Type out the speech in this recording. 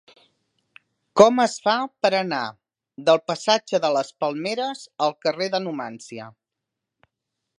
Com es fa per anar del passatge de les Palmeres al carrer de Numància?